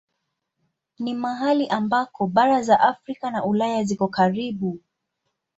Ni mahali ambako bara za Afrika na Ulaya ziko karibu.